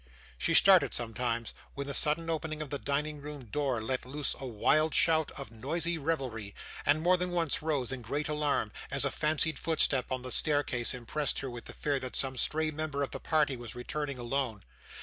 She started sometimes, when the sudden opening of the dining room door let loose a wild shout of noisy revelry, and more than once rose in great alarm, as a fancied footstep on the staircase impressed her with the fear that some stray member of the party was returning alone.